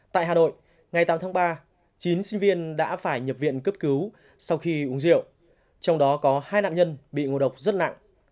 tại hà nội ngày tám tháng ba chín sinh viên đã phải nhập viện cấp cứu sau khi uống rượu trong đó có hai nạn nhân bị ngộ độc rất nặng